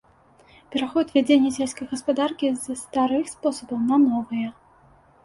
Пераход вядзення сельскай гаспадаркі з старых спосабаў на новыя.